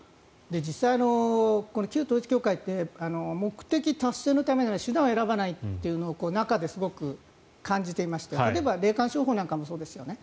実際、この旧統一教会って目的達成のためなら手段を選ばないというのを中ですごく感じていまして例えば霊感商法なんかもそうですよね。